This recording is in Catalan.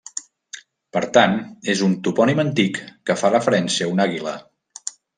Per tant, és un topònim antic que fa referència a una àguila.